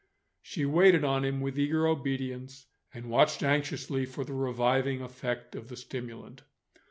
She waited on him with eager obedience, and watched anxiously for the reviving effect of the stimulant.